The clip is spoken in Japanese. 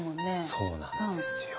そうなんですよ。